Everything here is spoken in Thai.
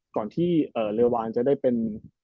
ก่อนที่เราคือหน้ากรรษ